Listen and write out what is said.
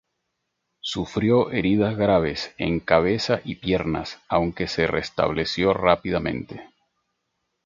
Sufrió heridas graves en cabeza y piernas aunque se restableció rápidamente.